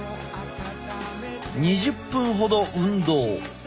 ２０分ほど運動。